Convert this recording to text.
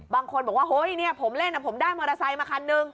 บางคนบอกว่าเฮ้ยเนี่ยผมเล่นผมได้มอเตอร์ไซค์มาคันนึง